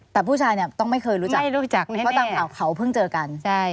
แต่ผู้ชายต้องไม่เคยรู้จักไม่รู้จักแน่เพราะเขาเพิ่งเจอกัน